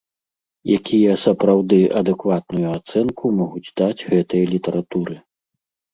Якія сапраўды адэкватную ацэнку могуць даць гэтай літаратуры.